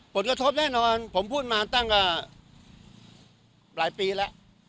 ผลกระทบแน่นอนผมพูดมาตั้งก็หลายปีแล้ว